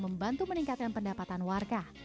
untuk meningkatkan pendapatan warga